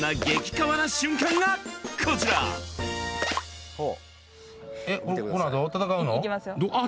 カワな瞬間がこちらえっ